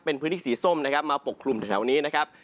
เป็นพื้นที่สีส้มนะครับมาปกคลุมแถวนี้นะครับ